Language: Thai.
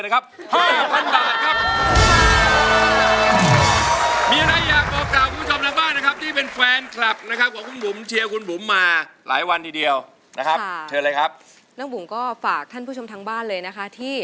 ขอบคุณครับขอบคุณมาก